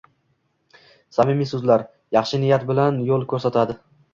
samimiy so'zlar, yaxshi niyat bilan yo'l ko'rsatadi.